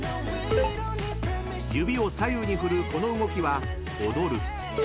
［指を左右に振るこの動きは］